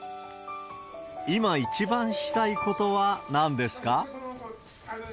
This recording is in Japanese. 今一番したいことは、なんですか？